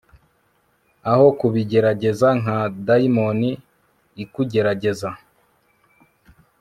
Aho kubigerageza nka dayimoni ikugerageza